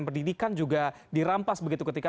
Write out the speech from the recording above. pendidikan juga dirampas begitu ketika